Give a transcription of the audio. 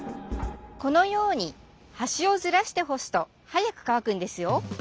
このように端をずらして干すと早く乾くんですよ。